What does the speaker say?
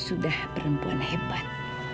udah seorang perempuan hebat